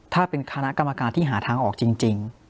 ถ้าเป็นคณะกรรมการที่หาทางออกจริง